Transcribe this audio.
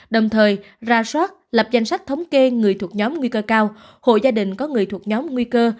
đồng thời ra soát lập danh sách thống kê người thuộc nhóm nguy cơ cao hộ gia đình có người thuộc nhóm nguy cơ